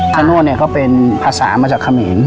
โนธเนี่ยก็เป็นภาษามาจากเขมร